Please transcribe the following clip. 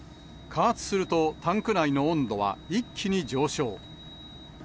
加圧すると、タンク内の温度は一気に上昇。